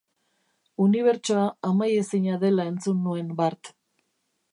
Unibertsoa amaiezina dela entzun nuen bart.